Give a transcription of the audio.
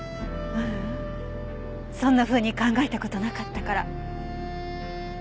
ううんそんなふうに考えた事なかったから。